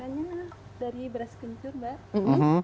biasanya dari beras kencur mbak